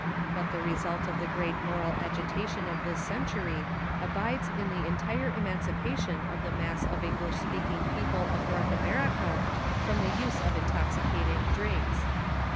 But the result of the great moral agitation of this century abides in the entire emancipation of tlie mass of English S23ealving people of North America from the use of intoxicating drinks.